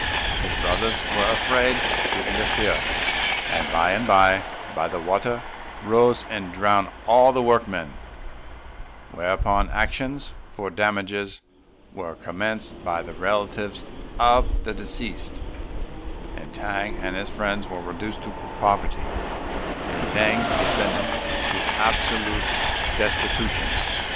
His brothers were afraid to interfere; and by and by the water rose and drowned all the workmen; whereupon actions for damages were commenced by the relatives of the deceased, and T'ang and his friend were reduced to poverty, and T'ang's descendants to absolute destitution.